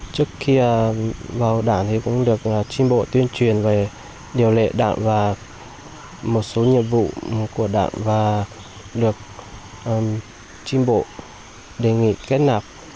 trước khi vào đảng thì cũng được tri bộ tuyên truyền về điều lệ đảng và một số nhiệm vụ của đảng và được tri bộ đề nghị kết nạp